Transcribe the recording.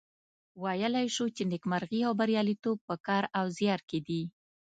ویلای شو چې نیکمرغي او بریالیتوب په کار او زیار کې دي.